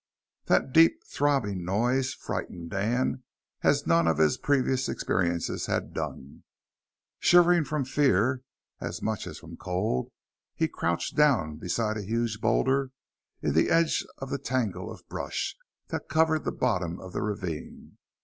That deep, throbbing noise frightened Dan as none of his previous experiences had done. Shivering from fear as much as from cold, he crouched down beside a huge boulder in the edge of the tangle of brush that covered the bottom of the ravine.